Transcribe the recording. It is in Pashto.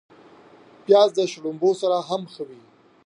پیاز د شړومبو سره هم ښه وي